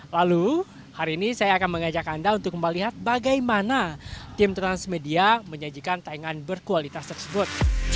lalu hari ini saya akan mengajak anda untuk melihat bagaimana tim transmedia menyajikan tayangan berkualitas tersebut